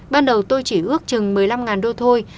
ban đầu tôi chỉ ước chừng một mươi năm đô thôi